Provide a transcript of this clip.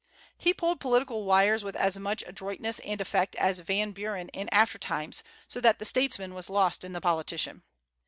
He pulled political wires with as much adroitness and effect as Van Buren in after times, so that the statesman was lost in the politician.